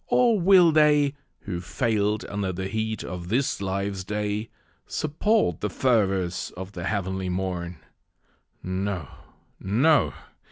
or will they, Who fail'd under the heat of this life's day, Support the fervours of the heavenly morn? No, no!